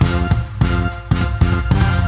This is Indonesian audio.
terima kasih banyak banyak